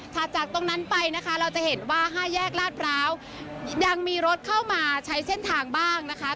จากตรงนั้นไปนะคะเราจะเห็นว่า๕แยกลาดพร้าวยังมีรถเข้ามาใช้เส้นทางบ้างนะคะ